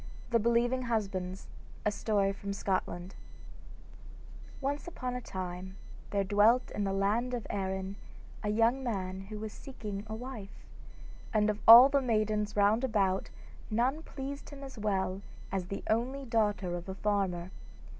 The Believing Husbands Once upon a time there dwelt in the land of Erin a young man who was seeking a wife, and of all the maidens round about none pleased him as well as the only daughter of a farmer.